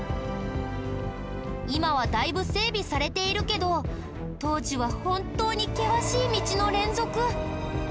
今はだいぶ整備されているけど当時は本当に険しい道の連続。